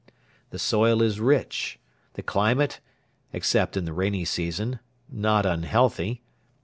The soil is rich; the climate, except in the rainy season, not unhealthy.